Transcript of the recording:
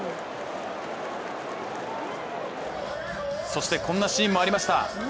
そしてこんなシーンもありました